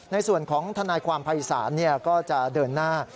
ในส่วนของทนายความภัยศาสน์ก็จะเดินหน้า